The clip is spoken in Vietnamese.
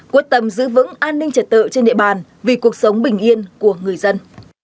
quyết tâm giữ vững an ninh trật tự trên địa bàn vì cuộc sống bình yên của người dân